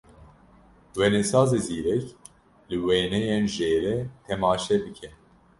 Wênesazê zîrek, li wêneyên jêrê temaşe bike.